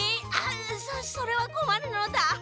そそれはこまるのだ。